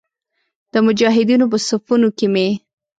د مجاهدینو په صفونو کې مې.